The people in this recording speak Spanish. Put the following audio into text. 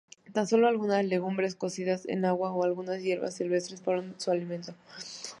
Tan sólo algunas legumbres cocidas en agua o algunas hierbas silvestres fueron su alimento.